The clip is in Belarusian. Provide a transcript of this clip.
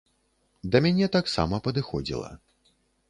Да мяне таксама падыходзіла.